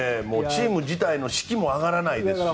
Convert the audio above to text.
チーム自体の士気も上がらないですし。